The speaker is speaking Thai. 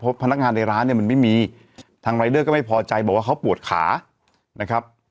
เพราะพนักงานในร้านเนี่ยมันไม่มีทางรายเดอร์ก็ไม่พอใจบอกว่าเขาปวดขานะครับ